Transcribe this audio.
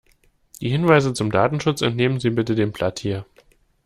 Die Hinweise zum Datenschutz entnehmen Sie bitte dem Blatt hier.